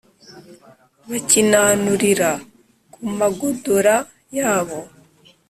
bakinanurira ku magodora yabo